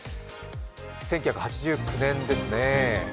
１９８９年ですね。